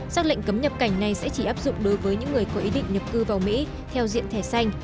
xác lệnh cấm nhập cảnh này sẽ chỉ áp dụng đối với những người có ý định nhập cư vào mỹ theo diện thẻ xanh